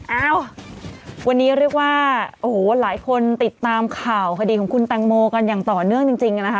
เอ้าวันนี้เรียกว่าโอ้โหหลายคนติดตามข่าวคดีของคุณแตงโมกันอย่างต่อเนื่องจริงนะคะ